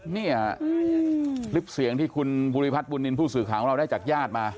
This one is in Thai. นี่ลิบเสียงที่คุณบุริษัทบุญนินต์ผู้สื่อของเราได้จากญาติมา